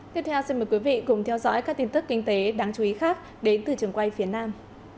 tiếp theo xin mời quý vị cùng theo dõi các tin tức kinh tế đáng chú ý khác đến từ trường quay phía nam